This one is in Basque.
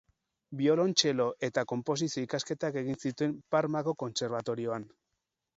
Biolontxelo eta Konposizio ikasketak egin zituen Parmako Kontserbatorioan.